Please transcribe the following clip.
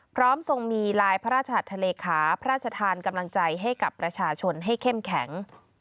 ทรงมีลายพระราชหัสทะเลขาพระราชทานกำลังใจให้กับประชาชนให้เข้มแข็ง